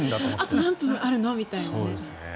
あと何本あるの？みたいなね。